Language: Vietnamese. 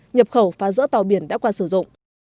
nhập khẩu phá rỡ tàu biển đã qua sử dụng